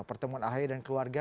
pertemuan ahaya dan keluarga